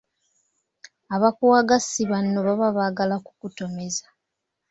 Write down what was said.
Abakuwaga si banno baba baagala kukutomeza.